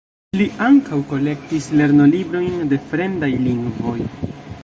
Li ankaŭ kolektis lernolibrojn de fremdaj lingvoj.